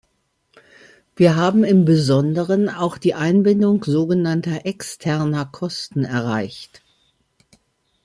Wir haben im Besonderen auch die Einbindung so genannter externer Kosten erreicht.